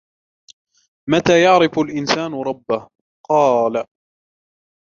مَتَى يَعْرِفُ الْإِنْسَانُ رَبَّهُ ؟ قَالَ